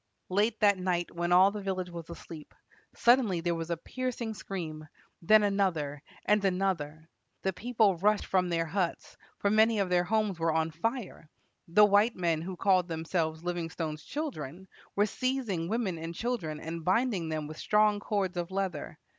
Late that night, when all the village was asleep, suddenly there was a piercing scream, then another, and another. The people rushed from their huts; for many of their homes were on fire. The white men, who called themselves Livingstone's children, were seizing women and children, and binding them with strong cords of leather.